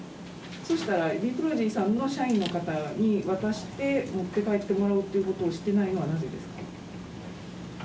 そしたらビプロジーさんのほうの社員の方に渡して持って帰ってもらうということをしてないのはなぜですか？